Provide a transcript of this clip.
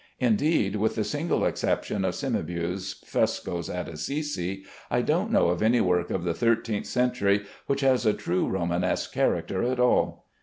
Indeed, with the single exception of Cimabue's frescoes at Assisi, I don't know of any work of the thirteenth century which has a true Romanesque character at all.